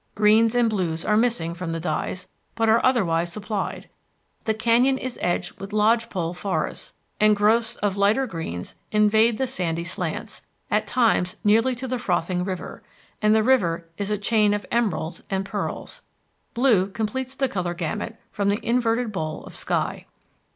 Greens and blues are missing from the dyes, but are otherwise supplied. The canyon is edged with lodge pole forests, and growths of lighter greens invade the sandy slants, at times nearly to the frothing river; and the river is a chain of emeralds and pearls. Blue completes the color gamut from the inverted bowl of sky.